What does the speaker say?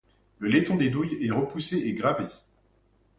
Le laiton des douilles est repoussé et gravé.